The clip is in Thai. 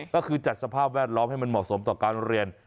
ก็คือจัดสภาพแวดล้อมให้มันเหมาะสมต่อการเรียน